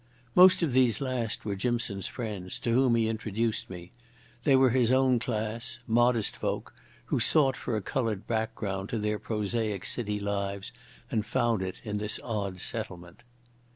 Most of these last were Jimson's friends, to whom he introduced me. They were his own class—modest folk, who sought for a coloured background to their prosaic city lives and found it in this odd settlement.